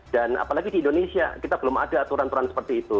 dan apalagi di indonesia kita belum ada aturan aturan seperti itu